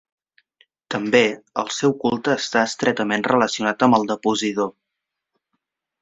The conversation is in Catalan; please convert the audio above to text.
També, el seu culte està estretament relacionat amb el de Posidó.